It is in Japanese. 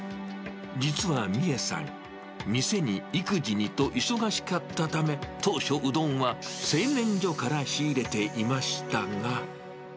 実は美恵さん、店に育児にと忙しかったため、当初うどんは、製麺所から仕入れていましたが。